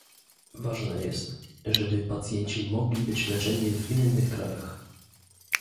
Ważne jest, żeby pacjenci mogli być leczeni w innych krajach